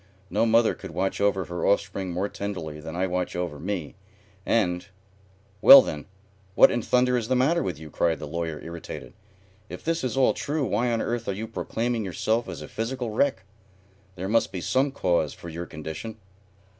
No mother could watch over her offspring more tenderly than I watch over me, and " "Well, then, what in thunder is the matter with you?" cried the Lawyer, irritated. "If this is all true, why on earth are you proclaiming yourself as a physical wreck? There must be some cause for your condition."